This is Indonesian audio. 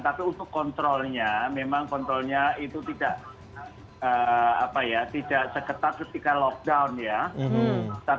tapi untuk kontrolnya memang kontrolnya itu tidak seketat ketika lockdown ya